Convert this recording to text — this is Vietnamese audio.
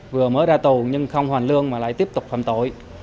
vừa mới ra tù nhưng không hoàn lương mà lại tiếp tục phạm tội